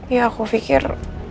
ya aku pikir